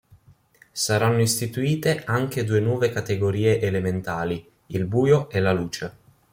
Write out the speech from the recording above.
Saranno istituite anche due nuove categorie elementali, il buio e la luce.